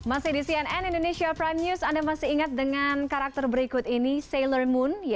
masih di cnn indonesia prime news anda masih ingat dengan karakter berikut ini sailor moon